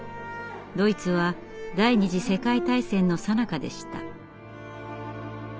ドイツは第二次世界大戦のさなかでした。